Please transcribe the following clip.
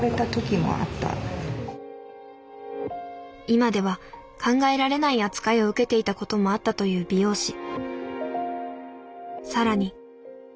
今では考えられない扱いを受けていたこともあったという美容師。